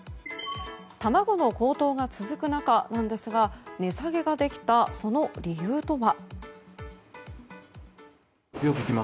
卵の高騰が続く中なんですが値下げができた、その理由とは。